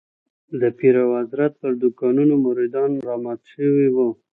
د پیر او حضرت پر دوکانونو مريدان رامات شوي وو.